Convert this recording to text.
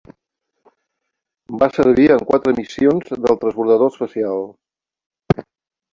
Va servir en quatre missions del transbordador espacial.